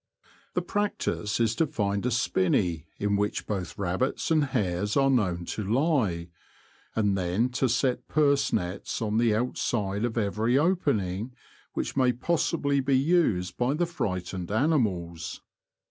The practice is to find a spinny in which both rabbits and hares are known to lie ; and then to set purse nets on the outside of every opening which may possibly be used by the frightened animals.